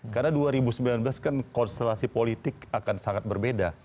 karena dua ribu sembilan belas kan konstelasi politik akan sangat berbeda